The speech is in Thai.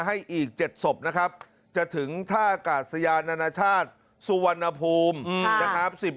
ให้อีก๗ศพนะครับ